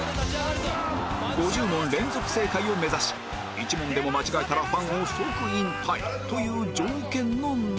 ５０問連続正解を目指し１問でも間違えたらファンを即引退という条件の中